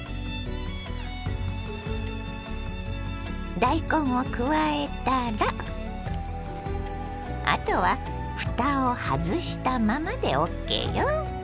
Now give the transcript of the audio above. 大根を加えたらあとはふたを外したままでＯＫよ。